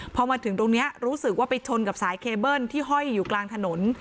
พอมาถึงตรงนี้รู้สึกว่าไปชนกับสายเคเบิ้ลที่ห้อยอยู่กลางถนน